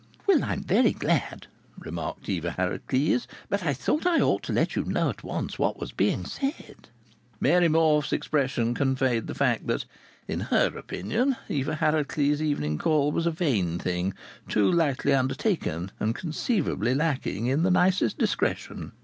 "Well, I'm very glad!" remarked Eva Harracles. "But I thought I ought to let you know at once what was being said." Mary Morfe's expression conveyed the fact that in her opinion Eva Harracles' evening call was a vain thing, too lightly undertaken, and conceivably lacking in the nicest discretion.